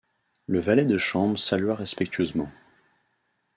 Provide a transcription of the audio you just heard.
Le valet de chambre salua respectueusement.